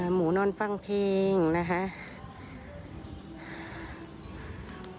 หมูนอนฟังเพลงนะครับ